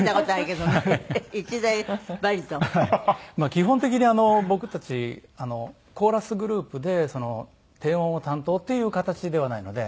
基本的に僕たちコーラスグループで低音を担当っていう形ではないので。